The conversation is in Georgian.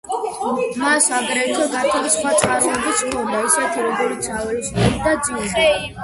მას აგრეთვე გართობის სხვა წყაროებიც ჰქონდა, ისეთი როგორიცაა ველოსიპედი და ძიუდო.